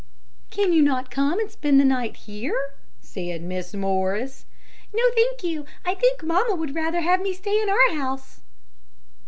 "Can you not come and spend the night here?" said Mrs. Morris. "No, thank you; I think mamma would rather have me stay in our house."